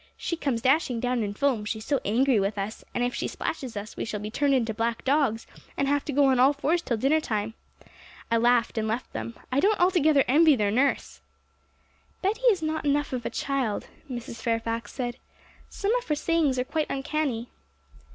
she comes dashing down in foam, she's so angry with us; and if she splashes us we shall be turned into black dogs, and have to go on all fours till dinner time!" I laughed and left them. I don't altogether envy their nurse!' 'Betty is not enough of a child,' Mrs. Fairfax said; 'some of her sayings are quite uncanny.'